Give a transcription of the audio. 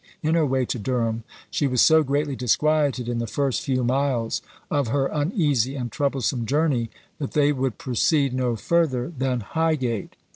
In her way to Durham, she was so greatly disquieted in the first few miles of her uneasy and troublesome journey, that they would proceed no further than Highgate.